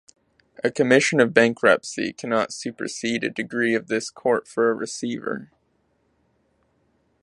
A commission of bankruptcy cannot supersede a degree of this court for a receiver.